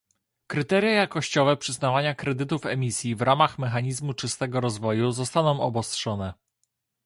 Kryteria jakościowe przyznawania kredytów emisji w ramach mechanizmu czystego rozwoju zostaną obostrzone